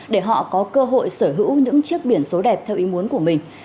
để họ có cơ hội sở hữu những chiếc biển số đẹp theo ý muốn của mình